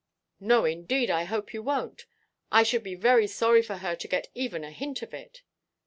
"No, indeed, I hope you wonʼt. I should be very sorry for her to get even a hint of it."